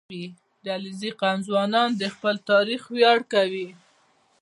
• د علیزي قوم ځوانان د خپل تاریخ ویاړ کوي.